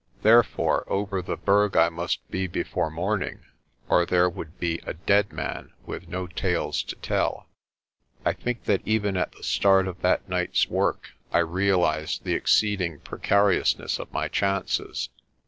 Therefore over the Berg I must be before morning or there would be a dead man with no tales to tell. I think that even at the start of that night's work I real ized the exceeding precariousness of my chances.